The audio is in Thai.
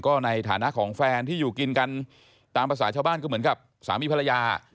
ก็ในฐานะของแฟนที่อยู่กินกันตามภาษาชาวบ้านก็เหมือนกับสามีภรรยา